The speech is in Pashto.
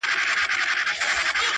د سترگو تور مي د ايستو لائق دي ـ